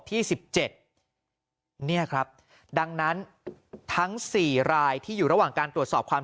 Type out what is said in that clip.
ที่๑๗เนี่ยครับดังนั้นทั้ง๔รายที่อยู่ระหว่างการตรวจสอบความ